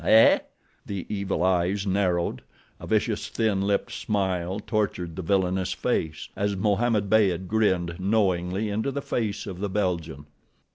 Eh?" The evil eyes narrowed, a vicious, thin lipped smile tortured the villainous face, as Mohammed Beyd grinned knowingly into the face of the Belgian.